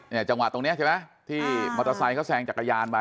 จังหวะตรงนี้ใช่ไหมที่มอเตอร์ไซค์เขาแซงจักรยานมา